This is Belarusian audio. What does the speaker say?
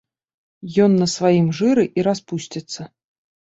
Ён на сваім жыры і распусціцца.